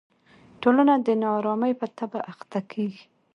ټولنه د نا ارامۍ په تبه اخته کېږي.